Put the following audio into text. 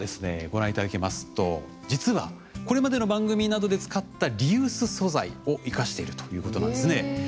ご覧いただきますと実はこれまでの番組などで使ったリユース素材を生かしているということなんですね。